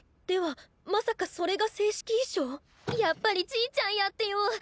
ではまさかそれが正式衣装⁉やっぱりちぃちゃんやってよ。